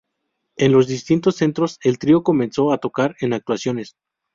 En los distintos centros el trío comenzó a tocar en actuaciones.